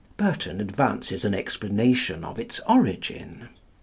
Burton advances an explanation of its origin.